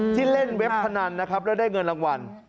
ที่เล่นเว็บพนันและได้เงินรางวัล